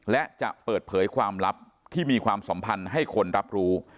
และจะเปิดเผยความลับที่มีความสัมพันธ์ให้คนรับรู้